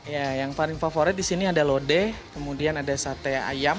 ya yang paling favorit di sini ada lode kemudian ada sate ayam